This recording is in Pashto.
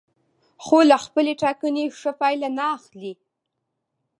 خو له خپلې ټاکنې ښه پایله نه اخلي.